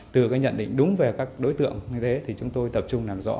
từ nhận định đúng về các đối tượng chúng tôi tập trung làm rõ